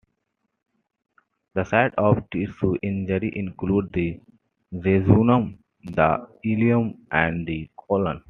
The sites of tissue injury include the jejunum, the ileum, and the colon.